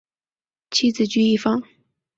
妻子琚逸芳。